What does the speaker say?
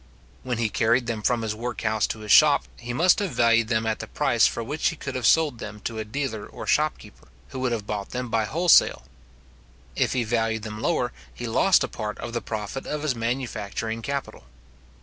When he carried them from his workhouse to his shop, he must have valued them at the price for which he could have sold them to a dealer or shopkeeper, who would have bought them by wholesale. If he valued them lower, he lost a part of the profit of his manufacturing capital.